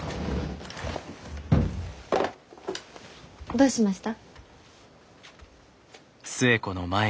どうしました？